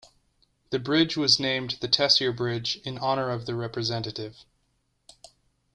The bridge was named the Tessier Bridge in honour of the representative.